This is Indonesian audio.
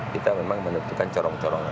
kita memang menentukan corong corongan